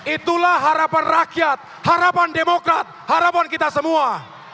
itulah harapan rakyat harapan demokrat harapan kita semua